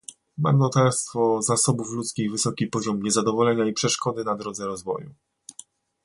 marnotrawstwo zasobów ludzkich, wysoki poziom niezadowolenia i przeszkody na drodze rozwoju